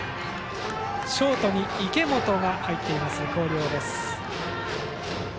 ショートに池本が入っています広陵。